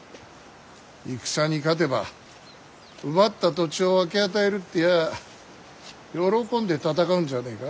戦に勝てば奪った土地を分け与えるって言やあ喜んで戦うんじゃねえか。